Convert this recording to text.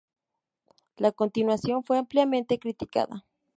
La continuación fue ampliamente criticada.